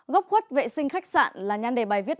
góc khuất vệ sinh khách sạn là nhan đề bài viết